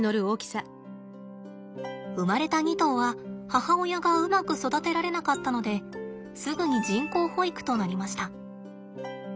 生まれた２頭は母親がうまく育てられなかったのですぐに人工哺育となりました。